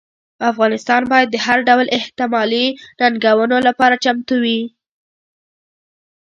افغانستان باید د هر ډول احتمالي ننګونو لپاره چمتو وي.